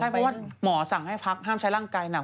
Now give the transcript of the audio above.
เพราะว่าหมอสั่งให้พักห้ามใช้ร่างกายหนัก